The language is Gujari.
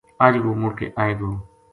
اج وہ مڑ کے آئے گو